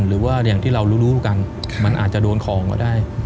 หรือว่าอย่างที่เรารู้กันมันอาจจะโดนของก็ได้